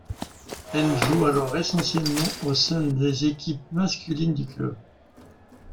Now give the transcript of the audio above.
Elle joue alors essentiellement au sein des équipes masculines du club.